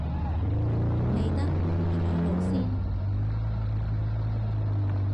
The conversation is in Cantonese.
未得，坐好先